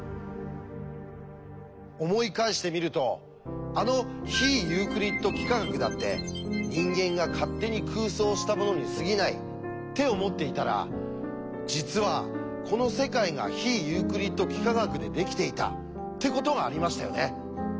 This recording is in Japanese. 思い返してみるとあの非ユークリッド幾何学だって人間が勝手に空想したものにすぎないって思っていたら実はこの世界が非ユークリッド幾何学でできていたってことがありましたよね。